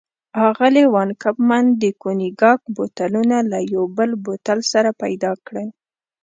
اغلې وان کمپن د کونیګاک بوتلونه له یو بل بوتل سره پيدا کړل.